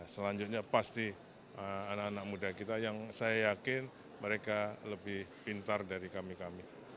selanjutnya pasti anak anak muda kita yang saya yakin mereka lebih pintar dari kami kami